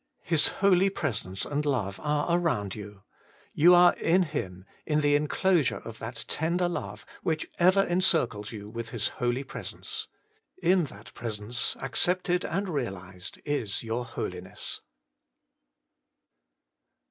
His Holy Presence and Love are around you. You are in Him, in the enclosure of that tender love, which ever encircles you with His Holy Presence. In that Presence, accepted and realized, Is your holiness.